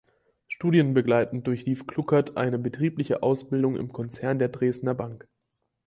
Studienbegleitend durchlief Kluckert eine betriebliche Ausbildung im Konzern der Dresdner Bank.